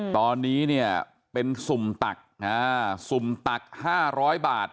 ตอนนี้เนี่ยเป็นสุ่มตักอ่าสุ่มตักห้าร้อยบาท